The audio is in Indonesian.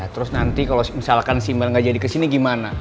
terus nanti kalo misalkan si mel gak jadi kesini gimana